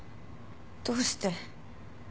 どうして。